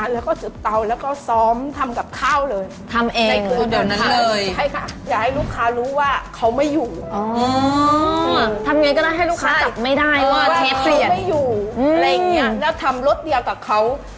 แล้วทำรถเดียวกับเขา